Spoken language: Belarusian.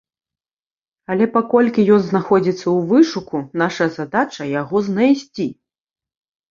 Але паколькі ён знаходзіцца ў вышуку, наша задача яго знайсці.